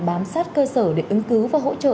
bám sát cơ sở để ứng cứu và hỗ trợ